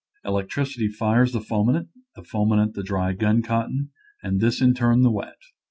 Electricity fires the fulminate, the fulminate the dry gun cotton, and this in turn the wet.